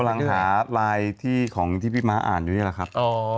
กำลังหาไลน์ที่ของที่พี่ม้าอ่านอยู่นี่แหละครับ